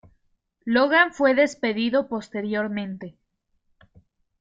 Logan fue despedido posteriormente.